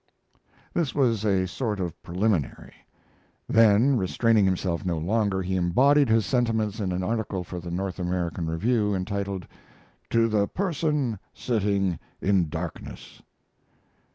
] This was a sort of preliminary. Then, restraining himself no longer, he embodied his sentiments in an article for the North American Review entitled, "To the Person Sitting in Darkness."